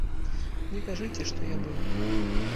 Не кажыце, што я быў.